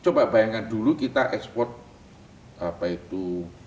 coba bayangkan dulu kita ekspor apa itu